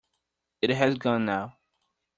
It has gone now.